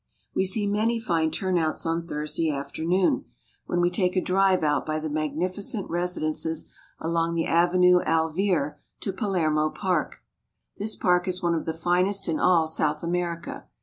We see many fine turnouts on Thursday afternoon, when CARP. S. AM. — 13 200 ARGENTINA. we take a drive out by the magnificent residences along the Avenue Alvear to Palermo Park. This park is one of the finest in all South America.